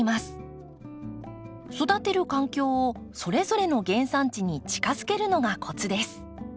育てる環境をそれぞれの原産地に近づけるのがコツです。